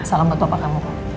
salam bantu apa kamu